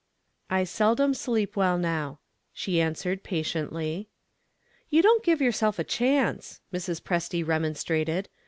"I seldom sleep well now," she answered, patiently. "You don't give yourself a chance," Mrs. Presty remonstrated.